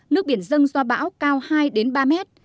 nước biển dâng do bão cao hai ba mét